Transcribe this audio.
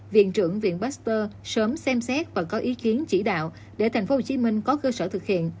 viện trưởng viện baxper sớm xem xét và có ý kiến chỉ đạo để tp hcm có cơ sở thực hiện